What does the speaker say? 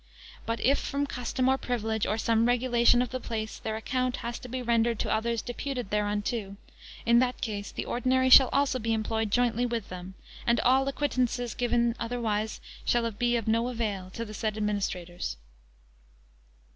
But if from custom, or privilege, or some regulation of the place, their account has to be rendered to others deputed thereunto, in that case the Ordinary shall also be employed jointly with them; and all acquittances given otherwise shall be of no avail to the said administrators.